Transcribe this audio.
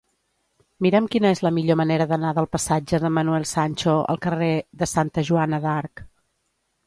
Mira'm quina és la millor manera d'anar del passatge de Manuel Sancho al carrer de Santa Joana d'Arc.